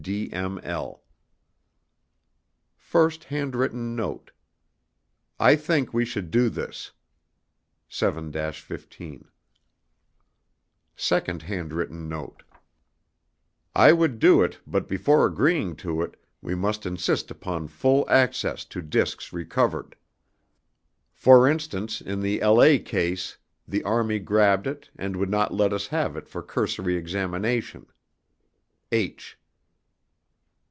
DML [First Handwritten Note: I think we should do this. 7 15 Second Handwritten Note: I would do it but before agreeing to it we must insist upon full access to discs recovered. For instance in the La. case the Army grabbed it & would not let us have it for cursory examination. H.